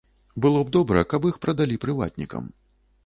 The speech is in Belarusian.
Было б добра, каб іх прадалі прыватнікам.